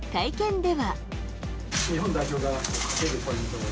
日本代表が勝てるポイントは？